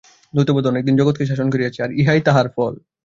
দ্বৈতবাদ অনেক দিন জগৎকে শাসন করিয়াছে, আর ইহাই তাহার ফল।